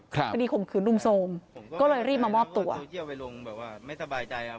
คดีข่มขืนรุมโทรมก็เลยรีบมามอบตัว